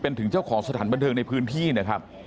เป็นถึงเจ้าของสถานบันเทิงในพื้นที่นะครับ